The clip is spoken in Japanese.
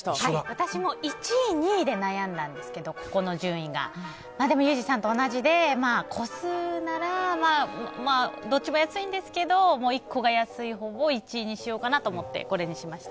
私も１位と２位で悩んだんですけどでも、ユージさんと同じで個数ならどっちも安いんですけど１個が安いほうを１位にしようかなと思ってこれにしました。